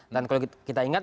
dan kalau kita ingat